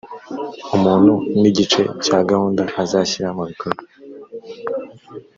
umuntu n igice cya gahunda azashyira mu bikorwa